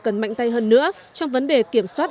cần mạnh tay hơn nữa trong vấn đề kiểm soát